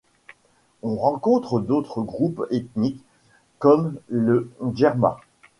On rencontre d'autres groupe ethnique comme le Djerma.